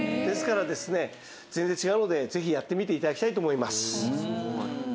ですからですね全然違うのでぜひやってみて頂きたいと思います。